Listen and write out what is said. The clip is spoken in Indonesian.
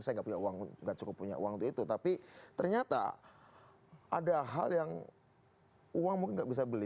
saya nggak punya uang nggak cukup punya uang untuk itu tapi ternyata ada hal yang uang mungkin nggak bisa beli